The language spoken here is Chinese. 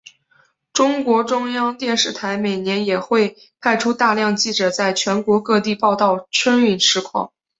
中国中央电视台每年也会派出大量记者在全国各地报道春运实况。